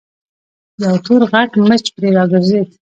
يو تور غټ مچ پرې راګرځېد.